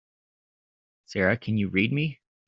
Sara can you read me?